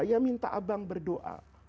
ya minta abang berdoa